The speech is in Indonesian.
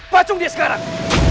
pacung dia sekarang